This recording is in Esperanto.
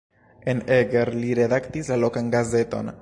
En Eger li redaktis la lokan gazeton.